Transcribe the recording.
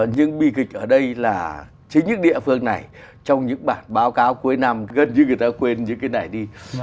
nhưng bi kịch ở đây là chính những địa phương này trong những bản báo cáo cuối năm gần như người ta quên những cái này đi